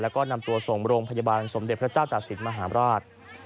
แล้วก็นำตัวส่งโรงพยาบาลสมเด็จพระเจ้าตากศิลปมหาราช